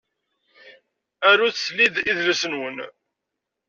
Arut slid idles-nwen